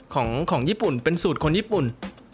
ของญี่ปุ่นเป็นสูตรคนญี่ปุ่น